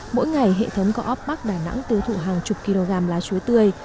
mỗi ngày hệ thống coop park đà nẵng tiêu thụ hàng chục kg lá chuối tươi